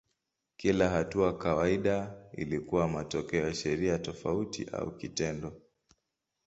Kila hatua kawaida ilikuwa matokeo ya sheria tofauti au kitendo.